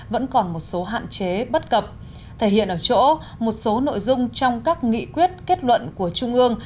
bộ hạn chế bắt cập thể hiện ở chỗ một số nội dung trong các nghị quyết kết luận của trung ương